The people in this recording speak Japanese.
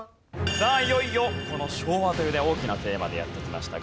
さあいよいよこの昭和というね大きなテーマでやってきました